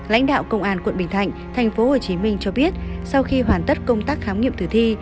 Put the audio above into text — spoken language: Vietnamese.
lãnh đạo công an tp hcm cho biết sau khi hoàn tất công tác khám nghiệm tử thi